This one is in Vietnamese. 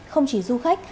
không chỉ du khách